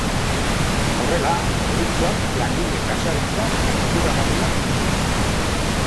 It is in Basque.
Horrela, produktuak langile-klasearentzat eskuragarriak eginez.